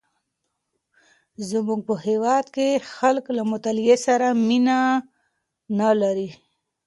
زمونږ په هیواد کې خلک له مطالعې سره مینه نه لري.